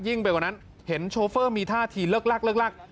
ยิ่งไปกว่านั้นเห็นโชเฟอร์มีท่าทีเลิก